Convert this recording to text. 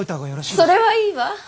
それはいいわ。